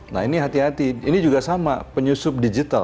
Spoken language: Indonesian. nah ini hati hati ini juga sama penyusup digital